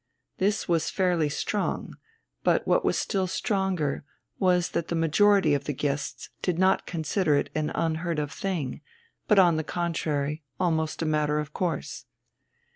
This was fairly strong, but what was still stronger was that the majority of the guests did not consider it an unheard of thing, but on the contrary almost a matter of course.